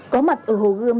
có mặt ở hồ gươm